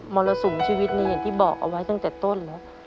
รสุมชีวิตนี้อย่างที่บอกเอาไว้ตั้งแต่ต้นแล้ว